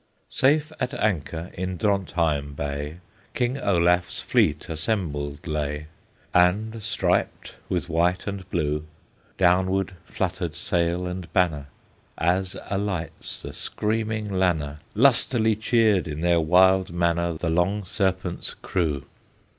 Safe at anchor in Drontheim bay King Olaf's fleet assembled lay, And, striped with white and blue, Downward fluttered sail and banner, As alights the screaming lanner; Lustily cheered, in their wild manner, The Long Serpent's crew.